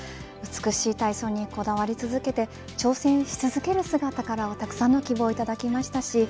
美しい体操にこだわり続けて挑戦し続ける姿からはたくさんの希望をいただきました。